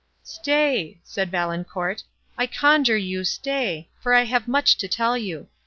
"Stay!" said Valancourt, "I conjure you stay, for I have much to tell you.